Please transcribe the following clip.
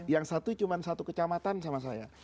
yang satu cuma satu kecamatan sama saya